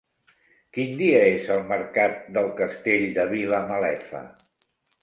Quin dia és el mercat del Castell de Vilamalefa?